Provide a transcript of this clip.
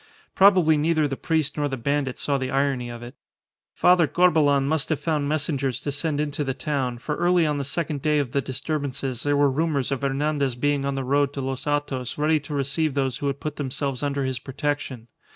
Probably neither the priest nor the bandit saw the irony of it. Father Corbelan must have found messengers to send into the town, for early on the second day of the disturbances there were rumours of Hernandez being on the road to Los Hatos ready to receive those who would put themselves under his protection.